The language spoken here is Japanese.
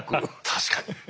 確かに。